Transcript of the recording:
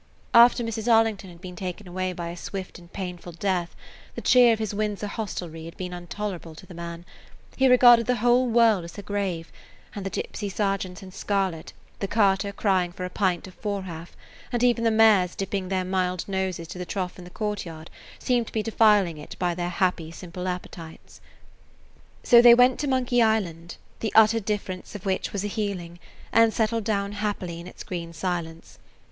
After Mrs. Arlington had been taken away by a swift and painful death the cheer of his Windsor hostelry had become intolerable to the man; he regarded the whole world as her grave, and the tipsy sergeants in scarlet, the carter crying for a pint of four half, and even the [Page 97] mares dipping their mild noses to the trough in the courtyard seemed to be defiling it by their happy, simple appetites. So they went to Monkey Island, the utter difference of which was a healing, and settled down happily in its green silence.